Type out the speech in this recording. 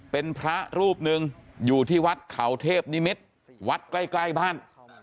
เป็นพระรูปหนึ่งอยู่ที่วัดเขาเทพนิมิตรวัดใกล้ใกล้บ้าน